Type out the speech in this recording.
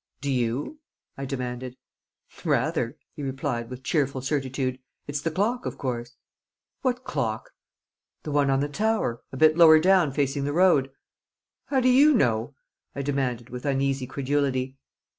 "Do you?" I demanded. "Rather!" he replied, with cheerful certitude. "It's the clock, of course." "What clock?" "The one on the tower, a bit lower down, facing the road." "How do you know?" I demanded, with uneasy credulity.